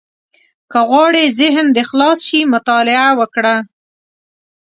• که غواړې ذهن دې خلاص شي، مطالعه وکړه.